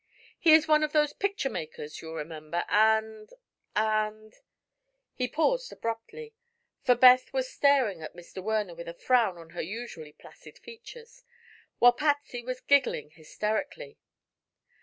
"He is one of those picture makers, you'll remember, and and " He paused abruptly, for Beth was staring at Mr. Werner with a frown on her usually placid features, while Patsy was giggling hysterically.